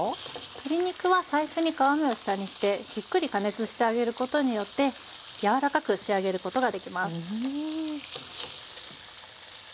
鶏肉は最初に皮目を下にしてじっくり加熱してあげることによって柔らかく仕上げることができます。